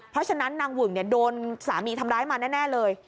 เพราะฉะนั้นนางหึ่งโดนสามีทำร้ายมาแน่เลย